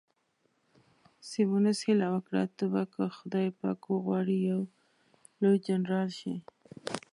سیمونز هیله وکړه، ته به که خدای پاک وغواړي یو لوی جنرال شې.